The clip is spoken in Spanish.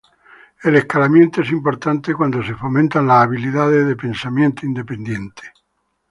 El escalamiento es importante cuando se fomentan las habilidades de pensamiento independiente.